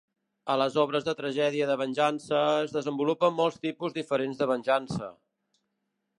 A les obres de tragèdia de venjança, es desenvolupen molts tipus diferents de venjança.